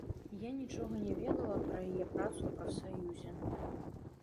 Я нічога не ведала пра яе працу ў прафсаюзе.